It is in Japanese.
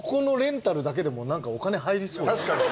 確かに。